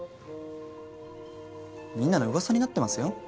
みんなの噂になってますよ。